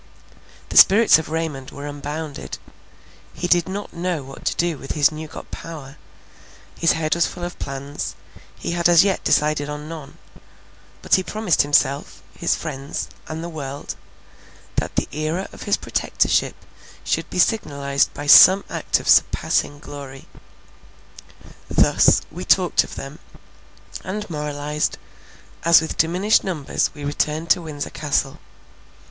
The spirits of Raymond were unbounded; he did not know what to do with his new got power; his head was full of plans; he had as yet decided on none— but he promised himself, his friends, and the world, that the aera of his Protectorship should be signalized by some act of surpassing glory. Thus, we talked of them, and moralized, as with diminished numbers we returned to Windsor Castle.